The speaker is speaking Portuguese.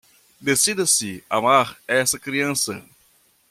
Decida-se amar essa criança